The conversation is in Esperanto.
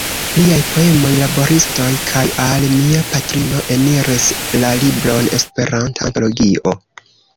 Liaj poemoj "Laboristoj" kaj "Al mia patrino" eniris la libron "Esperanta Antologio".